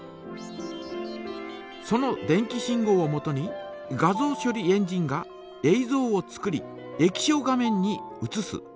その電気信号をもとに画像処理エンジンがえいぞうを作り液晶画面にうつす。